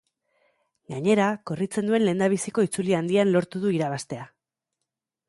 Gainera, korritzen duen lehendabiziko itzuli handian lortu du irabaztea.